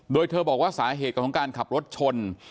โดยเธอบอกว่าสาเหตุของการขับรถชน